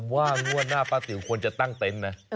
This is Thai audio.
ว่างวดหน้าป้าติ๋วควรจะตั้งเต็นต์นะ